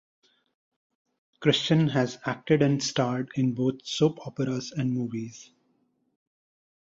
Christian has acted and starred in both soap operas and movies.